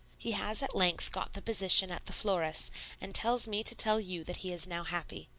He has at length got the position at the florist's, and tells me to tell you that he is now happy.